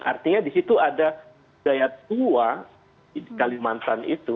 artinya di situ ada daya tua di kalimantan itu